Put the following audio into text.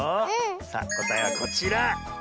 さあこたえはこちら。